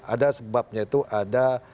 ada sebabnya itu ada